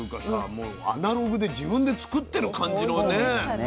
もうアナログで自分で作ってる感じのね